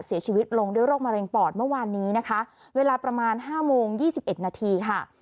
เสียชีวิตลงด้วยโรคมะเร็งปอดเมื่อวานนี้นะคะเวลาประมาณห้าโมง๒๑นาทีค่ะ